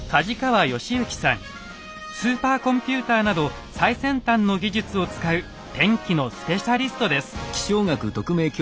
スーパーコンピューターなど最先端の技術を使う天気のスペシャリストです。